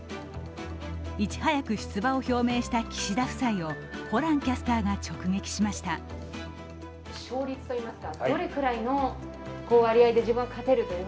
いち早く出馬を表明した岸田夫妻をホランキャスターが直撃しました。